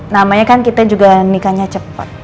namanya kan kita juga nikahnya cepat